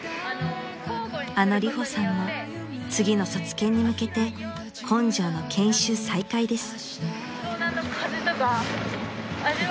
［あのリホさんも次の卒検に向けて根性の研修再開です］